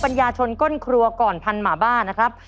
ัญญาชนก้นครัวก่อนพันหมาบ้านะครับ